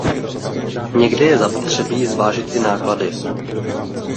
Někdy je zapotřebí zvážit i náklady.